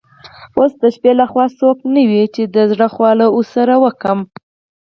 اوس د شپې له خوا څوک نه وي چي د زړه خواله ورسره وکړم.